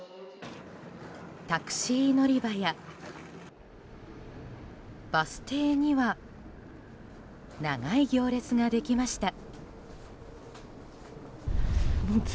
タクシー乗り場や、バス停には長い行列ができました。